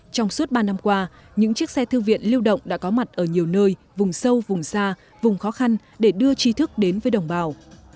trong suốt ba năm qua những chiếc xe thư viện lưu động đã có mặt ở nhiều nơi vùng sâu vùng xa vùng khó khăn để đưa trí thức đến với đồng bào